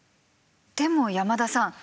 でも山田さん！